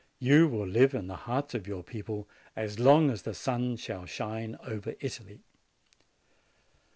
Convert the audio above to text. You will live in the heart of your people so long as the sun shall shine over Italy.'